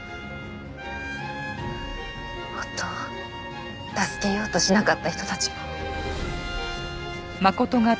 夫を助けようとしなかった人たちも。